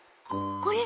これ？